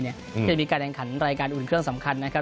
จะมีการแข่งขันรายการอื่นเครื่องสำคัญนะครับ